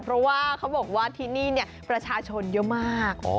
เพราะว่าเขาบอกว่าที่นี่ประชาชนเยอะมาก